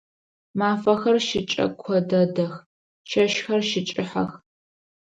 Мафэхэр щыкӏэко дэдэх, чэщхэр щыкӏыхьэх.